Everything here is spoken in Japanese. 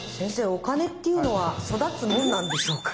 お金っていうのはそだつもんなんでしょうか？